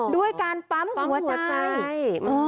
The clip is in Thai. ด้วยการปั๊มหัวใจ